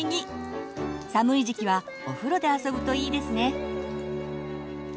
寒い時期はお風呂で遊ぶといいですね。